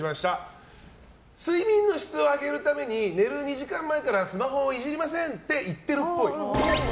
「睡眠の質を上げるために寝る２時間前からスマホをいじりません」って言ってるっぽい。